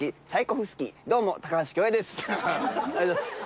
ありがとうございます。